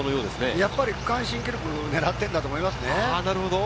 やはり区間新記録をねらっているんだと思いますね。